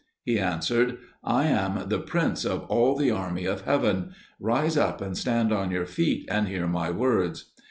He answered, "I am the Prince of all the army of heaven; rise up and stand on your feet, and hear my words."